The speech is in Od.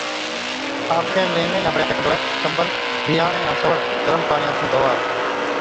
آپڪين ليوين يان بڙي آپڪَي کنڌولَي، ڪمبل، بِيهاڻَي ائُون سَوڙ گرم پاڻِيان سُون ڌووا۔